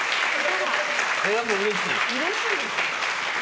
うれしいです。